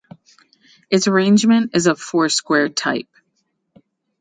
Its arrangement is of foursquare type.